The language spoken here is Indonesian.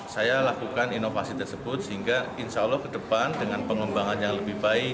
saya lakukan inovasi tersebut sehingga insya allah ke depan dengan pengembangan yang lebih baik